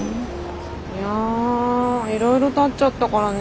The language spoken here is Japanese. いやいろいろ建っちゃったからね